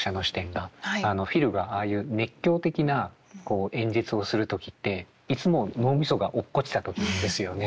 フィルがああいう熱狂的な演説をする時っていつも脳みそが落っこちた時なんですよね。